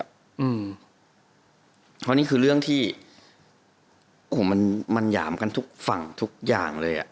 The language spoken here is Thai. เพราะนี่คือเรื่องที่โอ้โหมันหยามกันทุกฝั่งทุกอย่างเลยอ่ะ